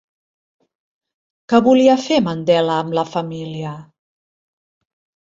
Què volia fer Mandela amb la família?